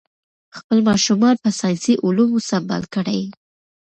خپل ماشومان په ساینسي علومو سمبال کړئ.